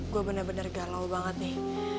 gue bener bener galau banget nih